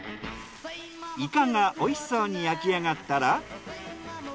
イカがおいしそうに焼き上がったら。